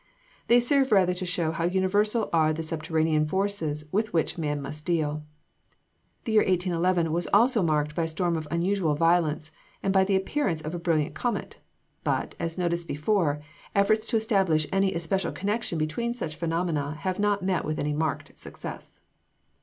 They serve rather to show how universal are the subterranean forces with which man must deal. The year 1811 was also marked by a storm of unusual violence, and by the appearance of a brilliant comet. But, as noticed before, efforts to establish any especial connection between such phenomena have not met with any marked success.